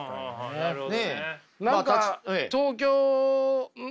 なるほど。